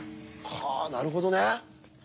はあなるほどね。